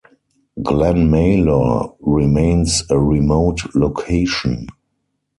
Glenmalure remains a remote location.